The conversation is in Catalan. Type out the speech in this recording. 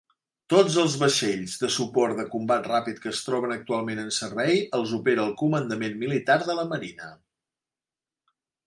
Tots els vaixells de suport de combat ràpid que es troben actualment en servei els opera el Comandament Militar de la Marina.